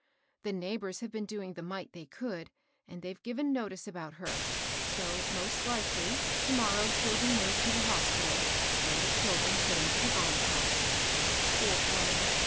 The neighbors have been doing the mite they could, and they've given notice about her ; so, most likely, to morrow she'll be moved to the hospital, and the children put into the almshouse. Poor woman